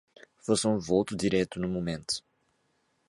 Faça um voto direto no momento